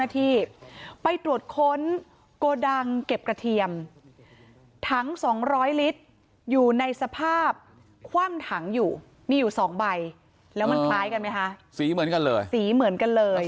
ทั้งเก็บกระเทียมทั้งสองร้อยลิตรอยู่ในสภาพคว่างถังอยู่มีอยู่สองใบแล้วมันคล้ายกันไหมคะสีเหมือนกันเลยสีเหมือนกันเลย